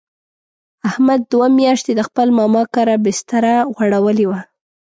احمد دوه میاشتې د خپل ماما کره بستره غوړولې وه.